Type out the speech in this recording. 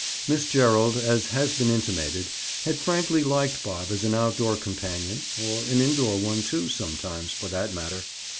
Miss Gerald, as has been intimated, had frankly liked Bob as an outdoor companion, or an indoor one, too, sometimes, for that matter.